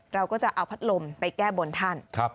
เราก็จะเอาพัดลมไปแก้บนท่าน